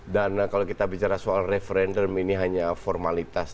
dan kalau kita bicara soal referendum ini hanya formalitas